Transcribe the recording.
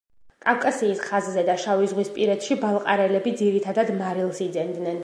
კავკასიის ხაზზე და შავიზღვისპირეთში ბალყარელები ძირითადად მარილს იძენდნენ.